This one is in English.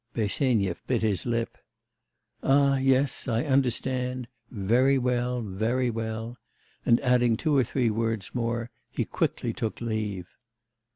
Bersenyev bit his lip. 'Ah! yes, I understand; very well, very well,' and, adding two or three words more, he quickly took leave.